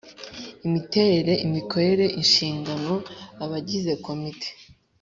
Imiterere imikorere inshingano abagize komite